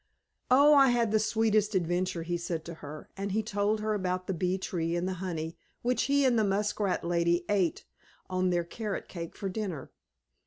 "Oh, I had the sweetest adventure!" he said to her, and he told her about the bee tree and the honey, which he and the muskrat lady ate on their carrot cake for dinner.